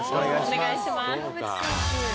お願いします。